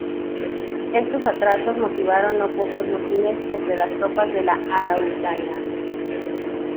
Estos atrasos motivaron no pocos motines entre las tropas de la Araucanía.